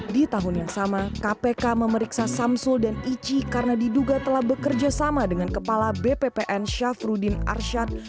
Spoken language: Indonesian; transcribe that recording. di tahun yang sama kpk memeriksa samsul dan ici karena diduga telah bekerja sama dengan kepala bppn syafruddin arsyad